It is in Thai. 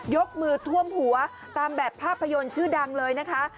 ยกมือท่วมหัวตามแบบภาพยนตร์ชื่อดังเลยนะคะ